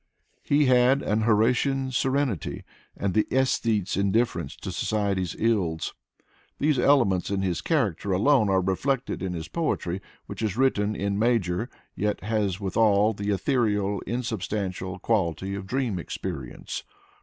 He had an Horatian serenity, and the aesthete's indifference to society's ills. These elements in his character alone are reflected in his poetry, which is written in major, yet has withal the ethereal, insubstantial quality of dream experience.